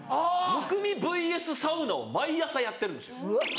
むくみｖｓサウナを毎朝やってるんですよ。